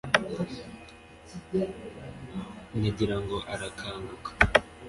Nagira ngo arakaguka,